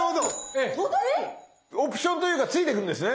オプションというかついてくるんですね。